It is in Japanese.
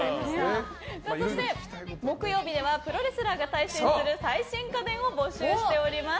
そして木曜日ではプロレスラーが対戦する最新家電を募集しております。